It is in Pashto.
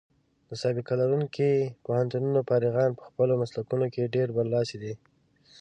د سابقه لرونکو پوهنتونونو فارغان په خپلو مسلکونو کې ډېر برلاسي دي.